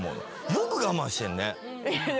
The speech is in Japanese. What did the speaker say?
よく我慢してんね。